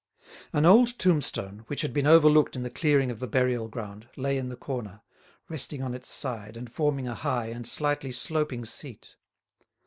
An old tombstone, which had been overlooked in the clearing of the burial ground, lay in the corner, resting on its side and forming a high and slightly sloping seat.